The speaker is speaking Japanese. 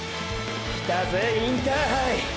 来たぜインターハイ！！